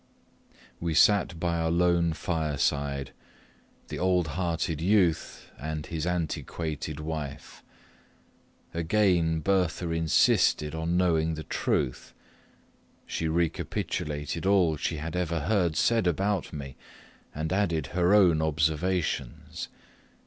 We sat by our lone fireside the old hearted youth and his antiquated wife. Again Bertha insisted on knowing the truth; she recapitulated all she had ever heard said about me, and added her own observations.